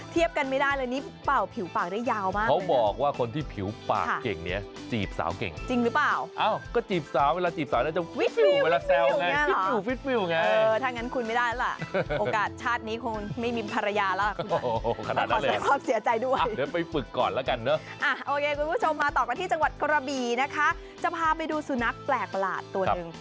ต่อมาต่อกันที่จังหวัดกระบีนะคะจะพาไปดูสุนัขแปลกหลาดตัวหนึ่ง